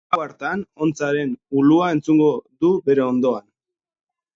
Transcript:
Gau hartan hontzaren ulua entzungo du bere ondoan.